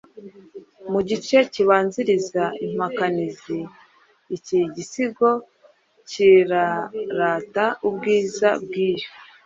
Mugice kibanziriza "impakanizi iki gisigo kirarata ubwiza bw'yo